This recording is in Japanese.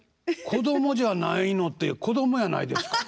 「子供じゃないの」って子供やないですか。